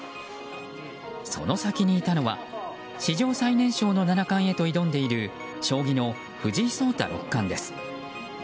その先にいたのは史上最年少の七冠へと挑んでいる将棋の藤井聡太六冠です。